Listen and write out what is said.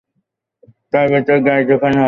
তার ভেতর গ্যাস ঢোকানো হচ্ছে।